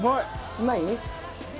うまい？